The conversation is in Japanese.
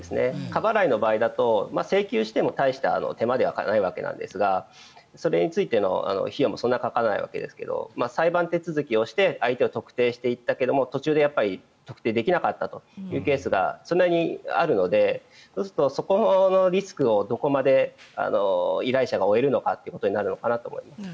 過払いの場合だと請求しても大した手間ではないわけなんですがそれについての費用もそんなにかからないわけですけど裁判手続きをして相手を特定していったけども途中で特定できなかったというケースがそれなりにあるのでそこのリスクをどこまで依頼者が負えるのかというところになると思います。